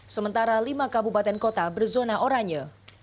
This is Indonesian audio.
sementara lima kabupaten kota berzona oranye